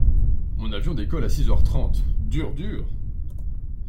Mon avion décolle à six heure trente, dur dur!